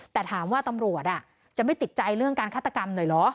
แต่ถามว่าตำรวจจะไม่ติดใจเรื่องการฆาตกรรมหน่อยเหรอ